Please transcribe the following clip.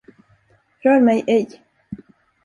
Rör mig ej!